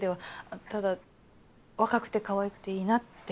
ただ若くてかわいくていいなって。